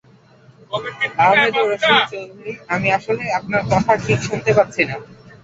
আহমেদুর রশীদ চৌধুরী আমি আসলে আপনার কথা ঠিক শুনতে পাচ্ছি না।